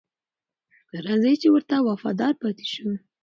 راځئ چې ورته وفادار پاتې شو.